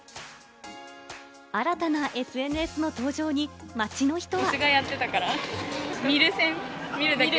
新たなＳＮＳの登場に街の人は。